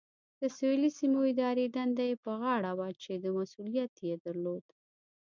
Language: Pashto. د سویلي سیمو اداري دنده یې په غاړه وه چې مسؤلیت یې درلود.